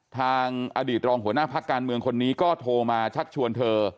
ทางอดีตรองหัวหน้าพักการเมืองคนนี้ก็โทรมาชักชวนเธอ